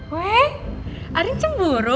weh arin cemburu